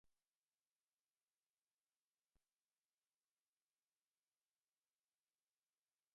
Paral·lelament també ha patit dèficit en equipaments públics i zones de lleure.